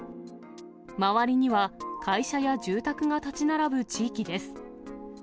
周りには、会社や住宅が建ち並ぶ地域です。